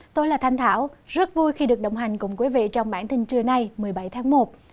tôi là thanh thảo rất vui khi được đồng hành cùng quý vị trong bản tin trưa nay một mươi bảy tháng một